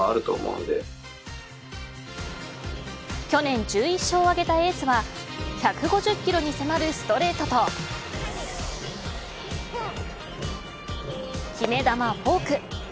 去年１１勝を挙げたエースは１５０キロに迫るストレートと決め球フォーク